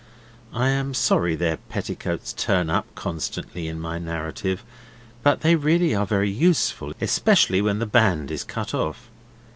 I am sorry their petticoats turn up so constantly in my narrative, but they really are very useful, especially when the band is cut off.